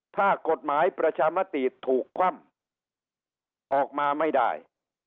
ถ้ากฎหมายประชามติถูกคว่ำออกมาไม่ได้